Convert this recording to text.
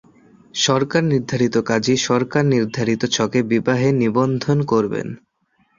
সরকার নির্ধারিত কাজী সরকার নির্ধারিত ছকে বিবাহের নিবন্ধন করবেন।